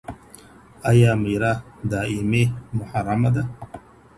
آيا ميره دائمي محرمه ده؟